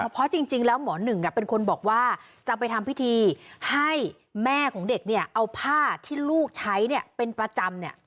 เพราะจริงแล้วหมอหนึ่งเป็นคนบอกว่าจะไปทำพิธีให้แม่ของเด็กเนี่ยเอาผ้าที่ลูกใช้เป็นประจำ